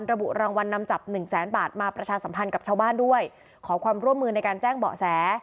ระบุรางวัลนำจับหนึ่งแสนบาทมาประชาสัมพันธ์กับชาวบ้านด้วยขอความร่วมมือในการแจ้งเบาะแส